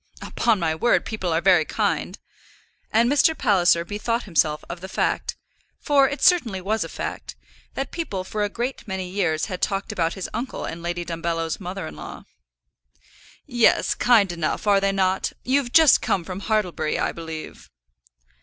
"Upon my word, people are very kind." And Mr. Palliser bethought himself of the fact, for it certainly was a fact, that people for a great many years had talked about his uncle and Lady Dumbello's mother in law. "Yes; kind enough; are they not? You've just come from Hartlebury, I believe."